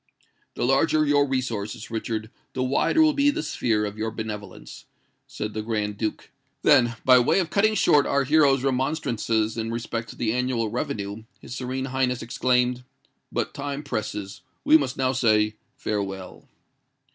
"The larger your resources, Richard, the wider will be the sphere of your benevolence," said the Grand Duke; then, by way of cutting short our hero's remonstrances in respect to the annual revenue, his Serene Highness exclaimed, "But time presses: we must now say farewell."